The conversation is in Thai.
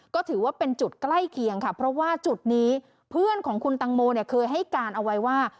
ก็ถือว่าเป็นจุดใกล้เคียงค่ะเพราะว่าจุดนี้เพื่อนของคุณตังโมเนี่ยเคยให้การเอาไว้ว่า